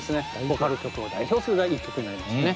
ボカロ曲を代表する一曲になりましたね。